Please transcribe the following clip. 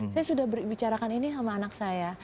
saya sudah berbicara kan ini sama anak saya